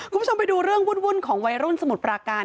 คุณผู้ชมไปดูเรื่องวุ่นของวัยรุ่นสมุทรปราการ